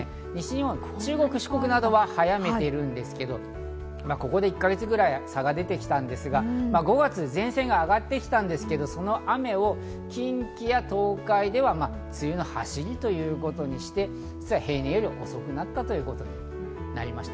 西日本、中国、四国などは早めているんですけれども、ここで１か月ぐらい差が出てきたんですが、５月、前線が上がってきたんですけど、その雨を近畿や東海では梅雨のはしりということにして例年より遅くなったということになりました。